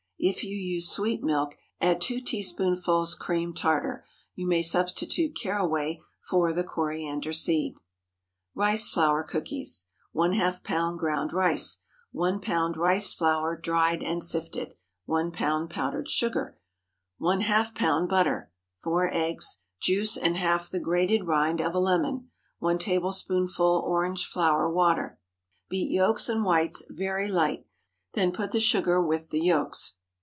If you use sweet milk, add two teaspoonfuls cream tartar. You may substitute caraway for the coriander seed. RICE FLOUR COOKIES. ½ lb. ground rice. 1 lb. rice flour, dried and sifted. 1 lb. powdered sugar. ½ lb. butter. 4 eggs. Juice and half the grated rind of a lemon. 1 tablespoonful orange flower water. Beat yolks and whites very light; then put the sugar with the yolks.